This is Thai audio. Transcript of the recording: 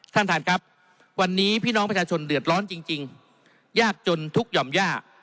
ท่านท่านครับวันนี้พี่น้องประชาชนเดือดร้อนจริงยากจนทุกข์หย่อมย่า